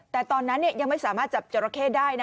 แต่ตอนนั้นยังไม่สามารถจับจราเข้ได้นะ